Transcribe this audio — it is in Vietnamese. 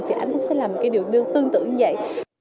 thì anh cũng sẽ làm một cái điều tương tự như vậy